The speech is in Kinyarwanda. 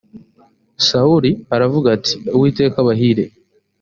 sawuli aravuga ati uwiteka abahire